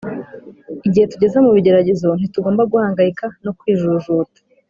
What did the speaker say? igihe tugeze mu bigeragezo ntitugomba guhangayika no kwijujuta